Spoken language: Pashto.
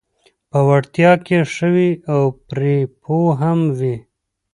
په وړتیا کې ښه وي او پرې پوه هم وي: